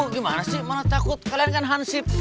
gimana sih malah takut kalian kan hansip